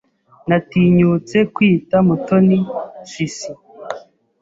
Natinyutse kwita Mutoni sissy.